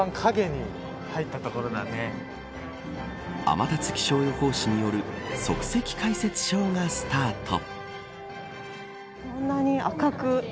天達気象予報士による即席解説ショーがスタート。